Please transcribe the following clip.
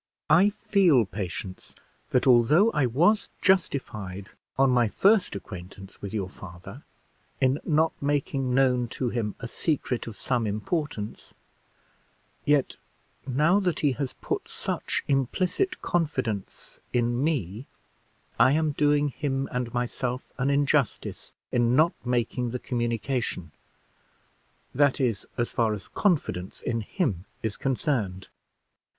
I feel, Patience, that although I was justified, on my first acquaintance with your father, in not making known to him a secret of some importance, yet now that he has put such implicit confidence, in me, I am doing him and myself an injustice in not making the communication that is, as far as confidence in him is concerned.